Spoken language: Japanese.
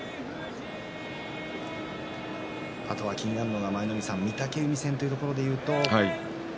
あとは気になるのは御嶽海戦というところで言うと